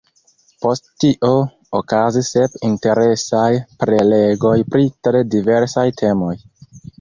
Post tio okazis sep interesaj prelegoj pri tre diversaj temoj.